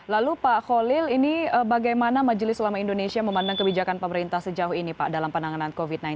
lalu pak khalil ini bagaimana majelis ulama indonesia memandang kebijakan pemerintah sejauh ini pak dalam penanganan covid sembilan belas